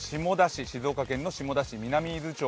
静岡県の下田市、南伊豆町